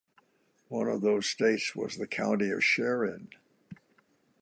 One of those states was the county of Scheyern.